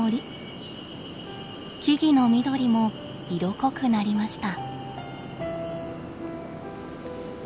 木々の緑も色濃くなりました。